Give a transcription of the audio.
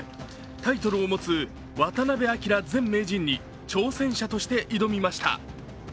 タイトルを持つ渡辺明前名人に挑戦者として挑みました。